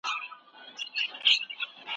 مطالعه کول يو ښه عادت دی.